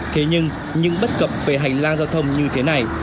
thế nhưng những bất cập về hành lang giao thông như thế này